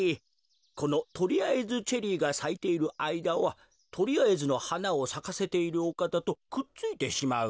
このとりあえずチェリーがさいているあいだはとりあえずのはなをさかせているおかたとくっついてしまうのです。